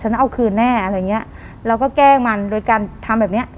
นั่นเอาคืนแน่อะไรอย่างเงี้ยเราก็แกล้งมันโดยการทำแบบเนี้ย